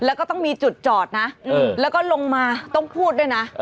แล้วก็ต้องมีจุดจอดนะแล้วก็ลงมาต้องพูดด้วยนะ